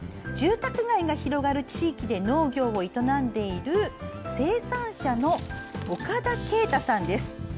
住宅街が広がる地域で農業を営んでいる生産者の岡田啓太さんです。